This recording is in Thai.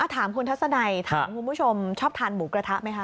ถามคุณทัศนัยถามคุณผู้ชมชอบทานหมูกระทะไหมคะ